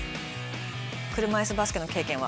車いすバスケの経験は？